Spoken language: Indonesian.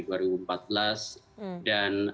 dan tidak mudah memang menentukan